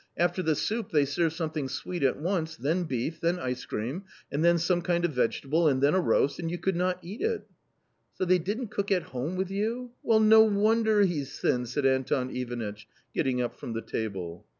After the soup they serve something sweet at once, then beef, then ice cream, and then some kind of vegetable, and then a roast, and you could not eat it !"" So they didn't cook at home with you ? Well, no wonder he's thin !" said Anton Ivanitch, getting up from the table.